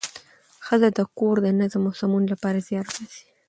ښځه د کور د نظم او سمون لپاره زیار باسي